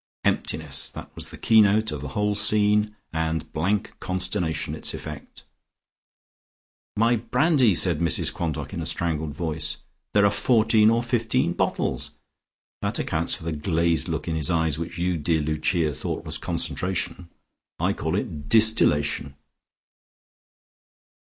Emptiness: that was the key note of the whole scene, and blank consternation its effect. "My brandy!" said Mrs Quantock in a strangled voice. "There are fourteen or fifteen bottles. That accounts for the glazed look in his eyes which you, dear Lucia, thought was concentration. I call it distillation."